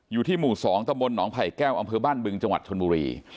อยู่ที่หมู่๒ตะบนหนองไผ่แก้วอำเภอบ้านบึงจังหวัดชนบุรี